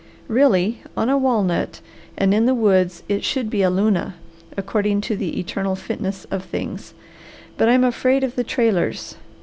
Really, on a walnut, and in the woods, it should be a luna, according to the eternal fitness of things but I'm afraid of the trailers.